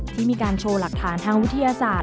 ที่มีการโชว์หลักฐานทางวิทยาศาสต